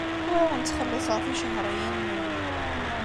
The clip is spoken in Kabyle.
Ur awen-ttxelliṣeɣ ticehṛiyin-nwen.